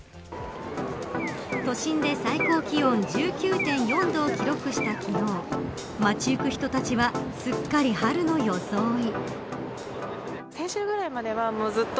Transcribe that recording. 都心で最高気温１９．４度を記録した昨日街ゆく人たちはすっかり春の装い